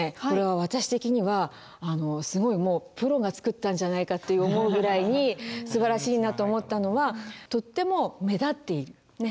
これは私的にはすごいもうプロが作ったんじゃないかって思うぐらいにすばらしいなと思ったのはとっても目立っている。